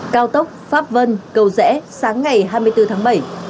cao tốc pháp vân cầu rẽ sáng ngày hai mươi bốn tháng bảy